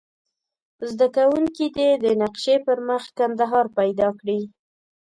زده کوونکي دې د نقشې پر مخ کندهار پیدا کړي.